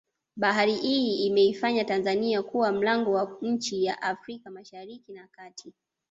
Bahari hii imeifanya Tanzania kuwa mlango kwa nchi za Afrika mashariki na kati